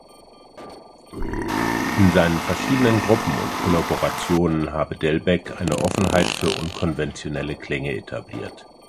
In seinen verschiedenen Gruppen und Kollaborationen habe Delbecq eine Offenheit für unkonventionelle Klänge etabliert.